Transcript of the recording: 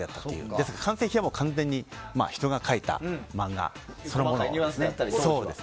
ですから、完成品は完全に人が描いた漫画です。